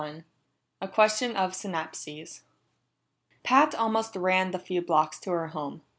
21 A Question of Synapses Pat almost ran the few blocks to her home.